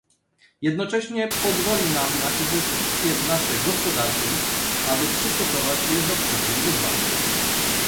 Jednocześnie pozwoli nam na inwestycje w nasze gospodarki, aby przystosować je do przyszłych wyzwań